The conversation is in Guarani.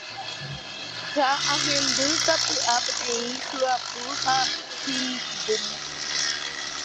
Ha ahendu sapy’a peteĩ hyapu ha chimbúm.